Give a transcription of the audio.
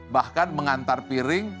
bahkan mengantar piring